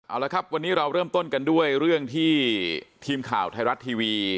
เอาละครับวันนี้เราเริ่มต้นกันด้วยเรื่องที่ทีมข่าวไทยรัฐทีวี